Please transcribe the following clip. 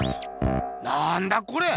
なんだこれ！